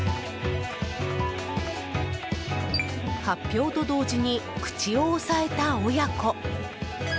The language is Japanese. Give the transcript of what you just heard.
発表と同時に口を押さえた親子。